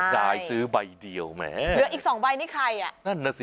ยายซื้อใบเดียวแหมเหลืออีกสองใบนี่ใครอ่ะนั่นน่ะสิ